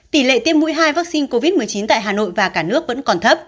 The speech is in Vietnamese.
tỷ lệ tiêm mũi hai vaccine covid một mươi chín tại hà nội và cả nước vẫn còn thấp